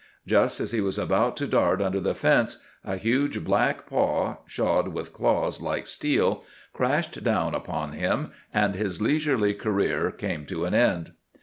Just as he was about to dart under the fence, a huge black paw, shod with claws like steel, crashed down upon him, and his leisurely career came to an end.